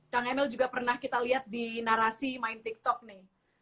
kang emil juga pernah kita lihat di narasi main tiktok nih